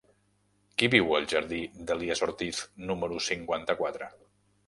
Qui viu al jardí d'Elies Ortiz número cinquanta-quatre?